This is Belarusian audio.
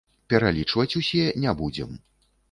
Пералічваць усе не будзем.